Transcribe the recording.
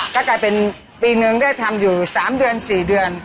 ก็กลายเป็นปีนึงได้ทำอยู่๓เดือน๔เดือน